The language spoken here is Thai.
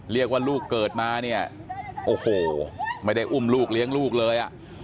ลูกเกิดมาเนี่ยโอ้โหไม่ได้อุ้มลูกเลี้ยงลูกเลยอ่ะ